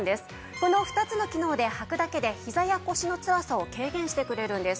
この２つの機能ではくだけでひざや腰のつらさを軽減してくれるんです。